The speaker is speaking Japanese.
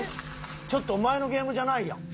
ちょっとお前のゲームじゃないやん。